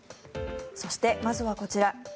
そして、まずはこちら。